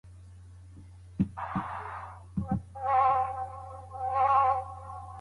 د صميميت او آدابو په چوکاټ کي دي بحث وکړي.